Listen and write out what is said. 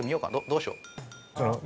どうしよう。